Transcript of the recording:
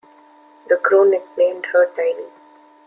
The crew nicknamed her "Tiny".